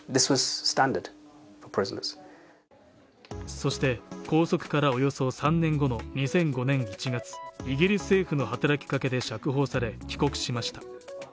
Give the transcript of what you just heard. そして拘束からおよそ３年後の２００５年１月、イギリス政府の働きかけで釈放され、帰国しました。